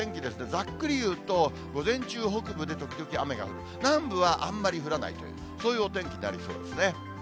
ざっくり言うと、午前中、北部で時々雨が降る、南部はあんまり降らないという、そういうお天気になりそうですね。